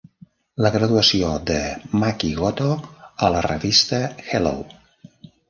La graduació de Maki Goto a la revista Hello!